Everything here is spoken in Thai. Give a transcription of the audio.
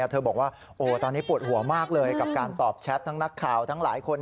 เธอบอกว่าตอนนี้ปวดหัวมากเลยกับการตอบแชททั้งนักข่าวทั้งหลายคน